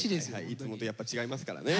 いつもとやっぱ違いますからね。